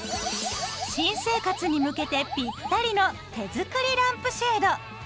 新生活に向けてピッタリの手作りランプシェード。